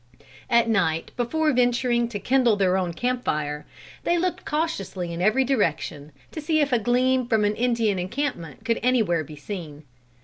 At night, before venturing to kindle their own camp fire, they looked cautiously in every direction, to see if a gleam from an Indian encampment could anywhere be seen.